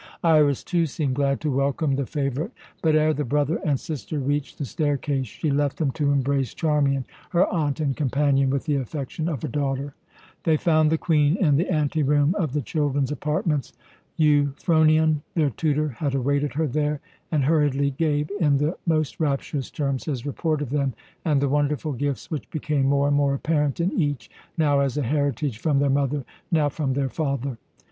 Iras, too, seemed glad to welcome the favourite, but ere the brother and sister reached the staircase she left him to embrace Charmian, her aunt and companion, with the affection of a daughter. They found the Queen in the anteroom of the children's apartments. Euphronion, their tutor, had awaited her there, and hurriedly gave, in the most rapturous terms, his report of them and the wonderful gifts which became more and more apparent in each, now as a heritage from their mother, now from their father.